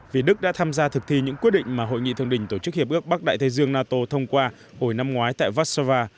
vì đức đã tham gia thực thi những quyết định mà hội nghị thượng đỉnh tổ chức hiệp ước bắc đại thế giương nato thông qua hồi năm ngoái tại varsova